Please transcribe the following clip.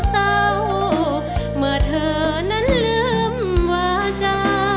เมื่อเธอนั้นลืมว่าจะ